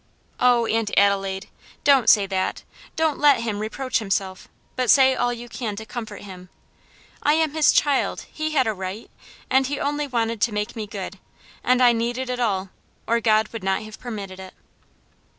"Oh, Aunt Adelaide, don't say that; don't let him reproach himself, but say all you can to comfort him. I am his child he had a right and he only wanted to make me good and I needed it all, or God would not have permitted it."